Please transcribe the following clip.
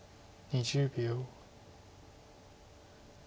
２０秒。